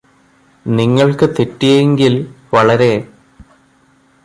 നിങ്ങള്ക്ക് തെറ്റിയെങ്കില് വളരെ